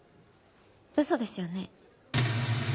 嘘ですよね？